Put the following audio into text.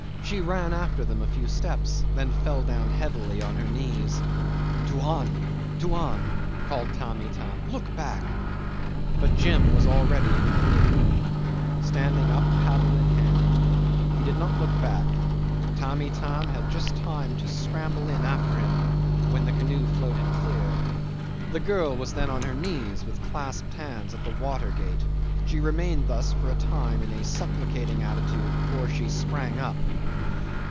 She ran after them a few steps, then fell down heavily on her knees. "Tuan! Tuan!" called Tamb' Itam, "look back;" but Jim was already in a canoe, standing up paddle in hand. He did not look back. Tamb' Itam had just time to scramble in after him when the canoe floated clear. The girl was then on her knees, with clasped hands, at the water gate. She remained thus for a time in a supplicating attitude before she sprang up.